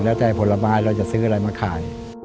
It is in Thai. แล้วแต่ผลไม้เราจะซื้ออะไรมาขาย